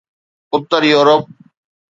Uttar Europe